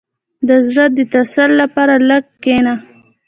• د زړۀ د تسل لپاره لږ کښېنه.